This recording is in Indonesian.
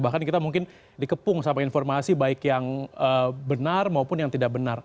bahkan kita mungkin dikepung sama informasi baik yang benar maupun yang tidak benar